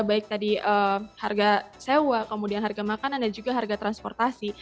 baik tadi harga sewa kemudian harga makanan dan juga harga transportasi